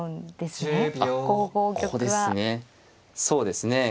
そうですね